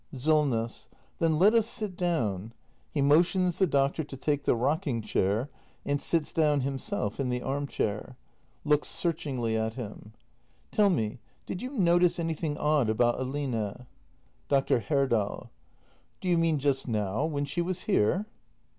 Solness. Then let us sit down. [He motions the doctor to take the rocking chair, and sits down himself in the arm chair. 270 THE MASTER BUILDER [act i Looks searchingly at him.] Tell me — did you notice any thing odd about x\line ? Dr. Herdal. Do you mean just now, when she was here?